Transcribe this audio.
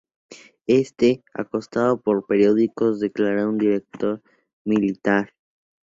Este, acosado por los periódicos, declara un "Directorio Militar".